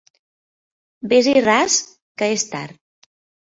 Ves-hi ras, que és tard!